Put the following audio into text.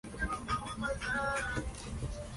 En ella se encuentra el Arco de Triunfo de París.